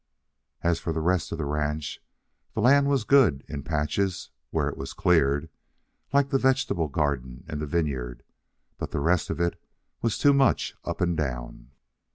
As for the rest of the ranch, the land was good in patches, where it was cleared, like the vegetable garden and the vineyard, but the rest of it was too much up and down."